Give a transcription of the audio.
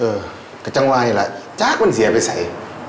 เออกระจังวายล่ะจ๊ากมันเสียไปใส่